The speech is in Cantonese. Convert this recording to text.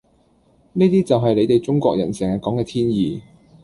呢啲就係你地中國人成日講嘅天意